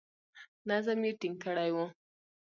نظم یې ټینګ کړی وو.